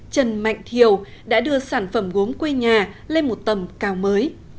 trần mạnh thiều đã đưa sản phẩm gốm quê nhà lên một tầm cao mới